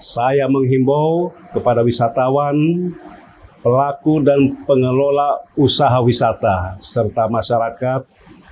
saya menghimbau kepada wisatawan pelaku dan pengelola usaha wisata serta masyarakat